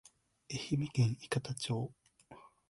愛媛県伊方町